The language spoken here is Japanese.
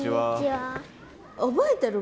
覚えてる？